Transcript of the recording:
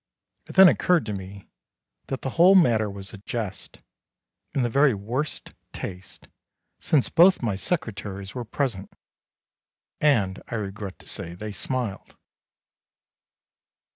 It then occurred to me that the whole matter was a jest in the very worst taste, since both my secretaries were present and I regret to say they smiled.